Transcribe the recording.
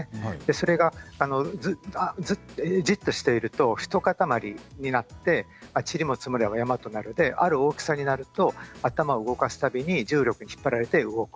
それがじっとしていると一塊になって「ちりも積もれば山となる」である大きさになると頭を動かす度に重力に引っ張られて動く。